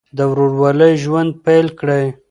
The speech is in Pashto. د ورورولۍ ژوند پیل کړئ.